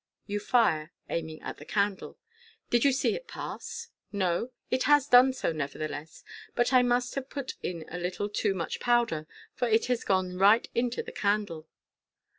(You fire, aiming at the candle.) " Did you see it pass? No. It has done so, nevertheless j but I must have put in a little too much powder, for it has gone right into the candle."